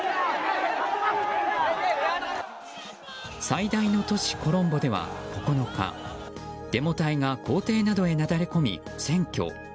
最大の都市コロンボでは９日デモ隊が公邸などへなだれ込み占拠。